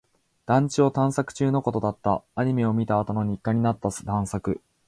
団地を探索中のことだった。アニメを見たあとの日課になった探索。